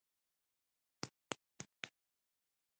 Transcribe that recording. د سترګو ژورغالي يې داسې ښکارېدې.